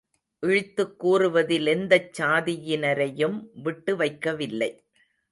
இழித்துக் கூறுவதில் எந்தச் சாதியினரையும் விட்டு வைக்கவில்லை.